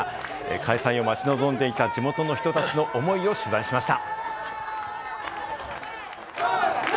開催を待ち望んでいた地元の人たちの思いを取材しました。